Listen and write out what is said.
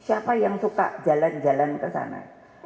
siapa yang suka jalan jalan ke sana